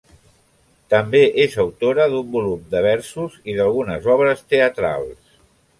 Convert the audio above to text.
També és autora d'un volum de versos i d'algunes obres teatrals.